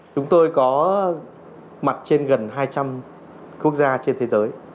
chúng tôi có mặt trên gần hai trăm linh quốc gia trên thế giới